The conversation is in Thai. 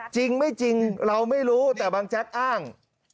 จริงไม่จริงเราไม่รู้แต่บางแจ๊กอ้าง